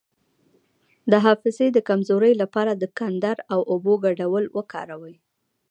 د حافظې د کمزوری لپاره د کندر او اوبو ګډول وکاروئ